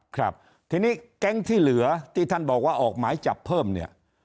ครับทีนี้แก๊งที่เหลือที่ท่านบอกว่าออกหมายจับเพิ่มเนี่ย